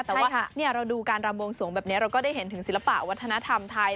แต่ว่าเราดูการรำวงสวงแบบนี้เราก็ได้เห็นถึงศิลปะวัฒนธรรมไทย